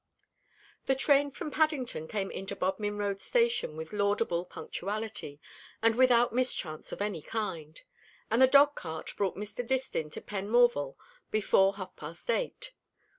The train from Paddington came into Bodmin Road station with laudable punctuality, and without mischance of any kind; and the dog cart brought Mr. Distin to Penmorval before half past eight.